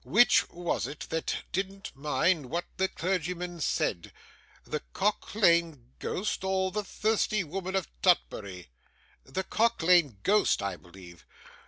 Which was it that didn't mind what the clergyman said? The Cock lane Ghost or the Thirsty Woman of Tutbury?' 'The Cock lane Ghost, I believe.